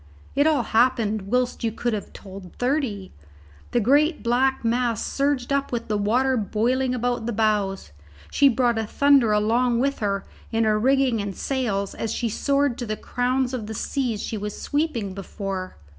It all happened whilst you could have told thirty. The great black mass surged up with the water boiling about the bows; she brought a thunder along with her in her rigging and sails as she soared to the crowns of the seas she was sweeping before.